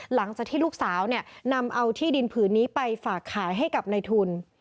หลังจากที่ลูกสาวนำเอาที่ดินผืนนี้ไปฝากขายให้กับในทุน